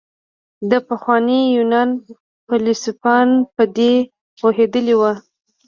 د پخواني يونان فيلسوفان په دې پوهېدلي وو.